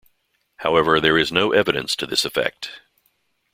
However, there is no evidence to this effect.